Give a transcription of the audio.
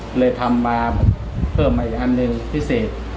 จึงทำเป็นอันนก็เพิ่มอีกอันนึงความพิเศษ